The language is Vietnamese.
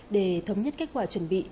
để thống nhất kết quả chuẩn bị